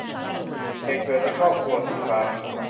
เหตุเกิดในครอบครัว - สีฟ้า